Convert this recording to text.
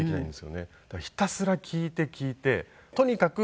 だからひたすら聞いて聞いてとにかく人の話を聞いて。